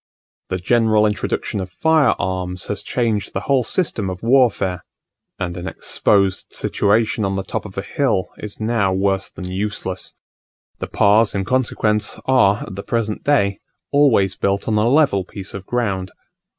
The general introduction of fire arms has changed the whole system of warfare; and an exposed situation on the top of a hill is now worse than useless. The Pas in consequence are, at the present day, always built on a level piece of ground.